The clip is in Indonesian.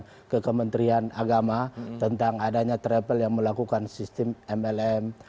kita sudah sampaikan ke kementerian agama tentang adanya travel yang melakukan sistem mlm